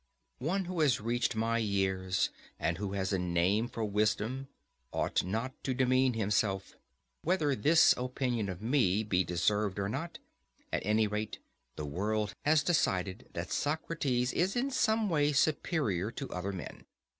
One who has reached my years, and who has a name for wisdom, ought not to demean himself. Whether this opinion of me be deserved or not, at any rate the world has decided that Socrates is in some way superior to other men.